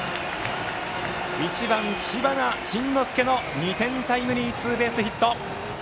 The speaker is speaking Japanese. １番、知花慎之助の２点タイムリーツーベースヒット。